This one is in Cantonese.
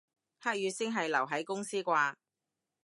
黑雨先係留喺公司啩